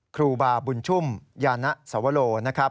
ครูบาบุญชุมยานท์สวโล